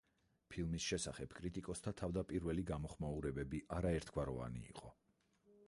ფილმის შესახებ კრიტიკოსთა თავდაპირველი გამოხმაურებები არაერთგვაროვანი იყო.